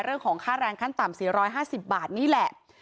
เรื่องของค่าแรงขั้นต่ำ๔๕๐บาทนี่แหละ